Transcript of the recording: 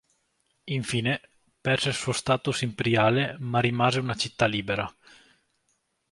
Infine, perse il suo status imperiale, ma rimase una "città libera".